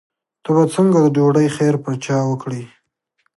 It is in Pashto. ته به څنګه د ډوډۍ خیر پر چا وکړې.